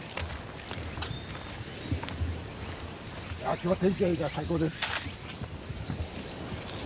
今日は天気がいいから最高です！